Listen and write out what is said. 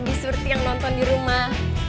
seperti yang nonton di rumah